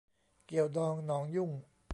เกี่ยวดองหนองยุ่ง